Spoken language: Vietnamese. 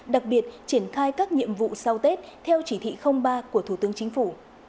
đặc biệt triển khai các nhiệm vụ sau tết theo chỉ thị ba của thủ tướng chính phủ